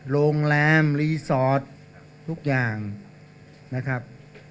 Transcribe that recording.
โรงแรมรีสอร์ททุกอย่างนะครับ